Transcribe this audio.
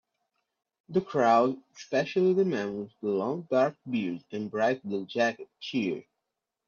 The crowd, especially the man with the long dark beard and bright blue jacket, cheer.